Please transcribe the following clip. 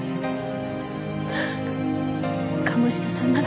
鴨志田さんなら。